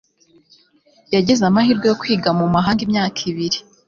yagize amahirwe yo kwiga mumahanga imyaka ibiri